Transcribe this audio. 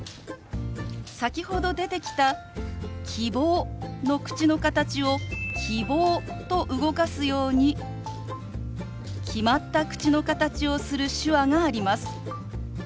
先ほど出てきた「希望」の口の形を「キボー」と動かすように決まった口の形をする手話があります。